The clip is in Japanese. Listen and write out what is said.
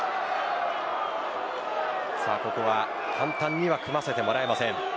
ここは簡単には組ませてもらえません。